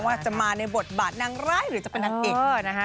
ว่าจะมาในบทบาทนางร้ายหรือจะเป็นนางเอกนะฮะ